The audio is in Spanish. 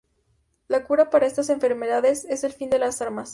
La cura para estas enfermedades es el fin de las armas.